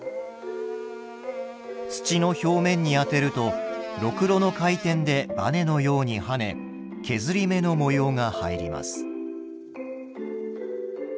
土の表面に当てるとろくろの回転でバネのように跳ね削り目の模様が入ります。